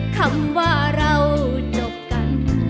คำว่าเราจบกัน